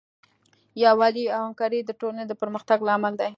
یووالی او همکاري د ټولنې د پرمختګ لامل دی.